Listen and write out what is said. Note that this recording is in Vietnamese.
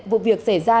vụ việc xảy ra